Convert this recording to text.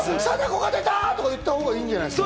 貞子が出た！とか言ったほうがいいんじゃないの？